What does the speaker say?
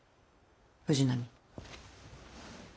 藤波。